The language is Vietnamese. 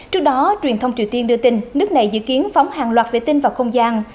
trước đó truyền thông triều tiên đưa tin nước này dự kiến phóng hàng loạt vệ tinh vào không gian